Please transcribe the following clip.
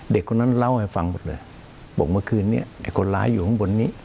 เด็กคนนั้นเล่าให้ฟังหมดเลยบอกเมื่อคืนนี้ไอ้คนร้ายอยู่ข้างบนนี้